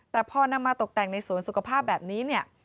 แต่พอนำมาตกแต่งในสวนสุขภาพแบบนี้เนี่ย